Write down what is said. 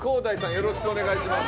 よろしくお願いします。